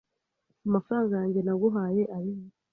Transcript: Amafranga yanjye naguhaye arihe